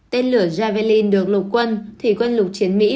tên lửa javalin được lục quân thủy quân lục chiến mỹ